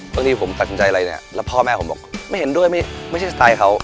บางทีผมตัดสินใจอะไรเนี่ยแล้วพ่อแม่ผมบอกไม่เห็นด้วยไม่ใช่สไตล์เขา